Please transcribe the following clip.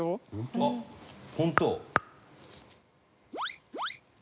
あっ本当？